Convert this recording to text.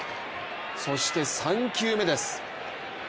そして３球目です。